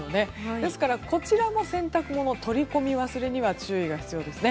ですから、こちらも洗濯物の取り込み忘れには注意が必要ですね。